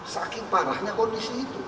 saking parahnya kondisi itu